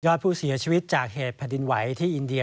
ยอดผู้เสียชีวิตจากเหตุผลิตไวที่อินเดีย